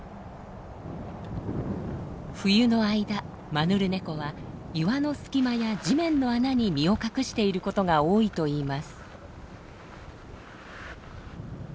冬の間マヌルネコは岩の隙間や地面の穴に身を隠していることが多いといいます。